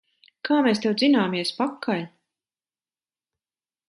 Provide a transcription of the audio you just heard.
Kā mēs tev dzināmies pakaļ!